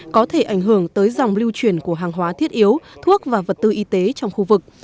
có thể ảnh hưởng tới dòng lưu truyền của hàng hóa thiết yếu thuốc và vật tư y tế trong khu vực